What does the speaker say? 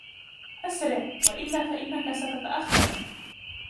أسرع ، وإلا فإنك ستتأخر.